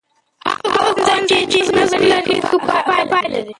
هغه ښوونځی چې نظم لري، ښه پایله لري.